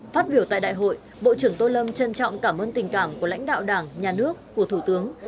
phát biểu tại đại hội bộ trưởng tô lâm trân trọng cảm ơn tình cảm của lãnh đạo đảng nhà nước của thủ tướng